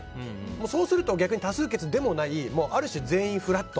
そうすると逆に多数決でもないある種、全員フラット。